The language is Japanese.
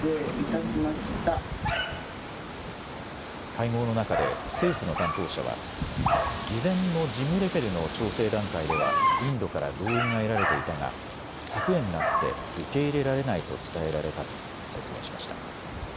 会合の中で政府の担当者は事前の事務レベルの調整段階ではインドから同意が得られていたが昨夜になって受け入れられないと伝えられたと説明しました。